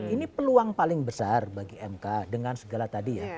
ini peluang paling besar bagi mk dengan segala tadi ya